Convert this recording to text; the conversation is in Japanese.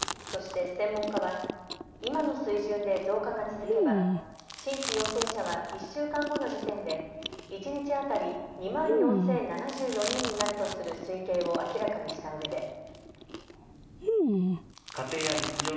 そして専門家は今の水準で増加が続けば新規陽性者は１週間後の時点で一日当たり２万４０７４人になるとする推計を明らかにしたうえで。